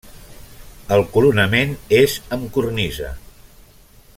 El coronament és amb cornisa.